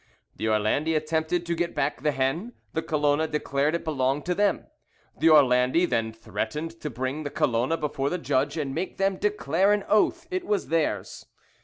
"The Orlandi attempted to get back the hen, the Colona declared it belonged to them. The Orlandi then threatened to bring the Colona before the judge and make them declare on oath it was theirs.